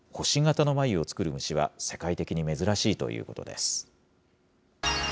星形の繭を作る虫は、世界的に珍しいということです。